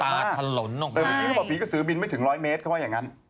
แต่พี่เขาบอกว่าผีกระสือบินไม่ถึง๑๐๐เมตรหรือว่าอย่างนั้น